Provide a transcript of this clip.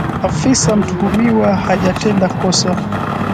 Afisa, mtuhumiwa hajatenda kosa